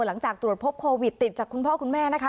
หลังจากตรวจพบโควิดติดจากคุณพ่อคุณแม่นะคะ